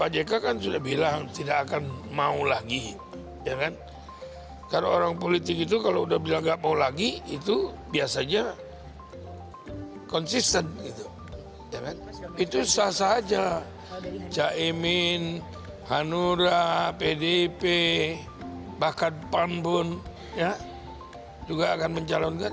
jokowi jakaimin hanura pdp bahkan pambun juga akan menjalankan